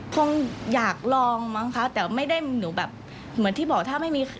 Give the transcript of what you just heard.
คงอยากลองมั้งคะแต่ไม่ได้หนูแบบเหมือนที่บอกถ้าไม่มี